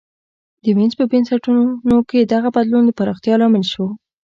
د وینز په بنسټونو کې دغه بدلون د پراختیا لامل شو